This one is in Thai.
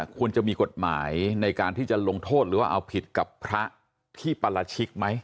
ควรจะมีกฎหมายในการที่จะลงโทษหรือว่าเอาผิดกับพระที่ปราชิกไหม